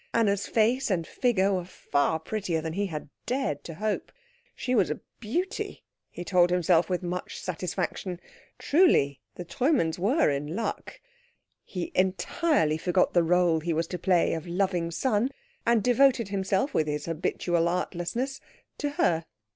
Anna's face and figure were far prettier than he had dared to hope. She was a beauty, he told himself with much satisfaction. Truly the Treumanns were in luck. He entirely forgot the rôle he was to play of loving son, and devoted himself, with his habitual artlessness, to her.